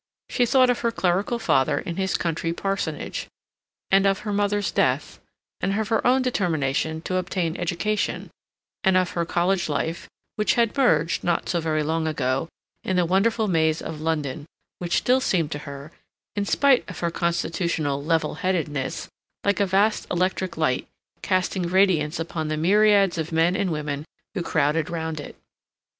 She thought of her clerical father in his country parsonage, and of her mother's death, and of her own determination to obtain education, and of her college life, which had merged, not so very long ago, in the wonderful maze of London, which still seemed to her, in spite of her constitutional level headedness, like a vast electric light, casting radiance upon the myriads of men and women who crowded round it.